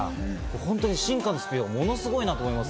本当に進化のスピードがものすごいなと思います。